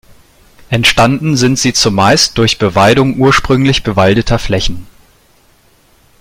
Entstanden sind sie zumeist durch Beweidung ursprünglich bewaldeter Flächen.